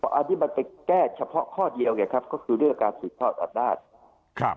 เพราะอันนี้มันเป็นแก้เฉพาะข้อเดียวไงครับก็คือเลือกการสุดทอดอำนาจ